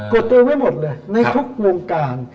ดตัวไว้หมดเลยในทุกวงการ